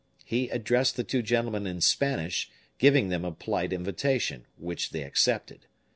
He addressed the two gentlemen in Spanish, giving them a polite invitation, which they accepted.